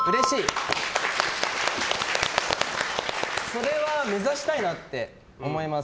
それは目指したいなと思います。